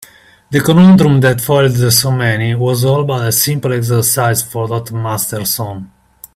The conundrum that foiled so many was all but a simple exercise for Dr. Masterson.